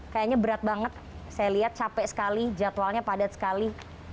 kayaknya berat banget saya lihat capek sekali jadwalnya padat sekali